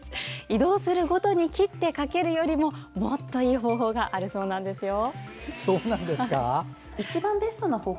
移動するごとに切ってかけるよりももっといい方法があるそうなんですよ！